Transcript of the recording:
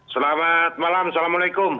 selamat malam assalamualaikum